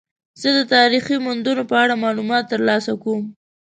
زه د تاریخي موندنو په اړه معلومات ترلاسه کوم.